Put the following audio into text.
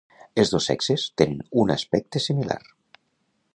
Els dos sexes tenen un aspecte similar.